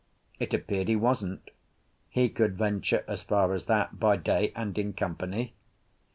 It appeared he wasn't; he could venture as far as that by day and in company.